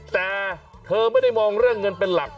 แต่เธอไม่ได้มองเงินเป็นหลัก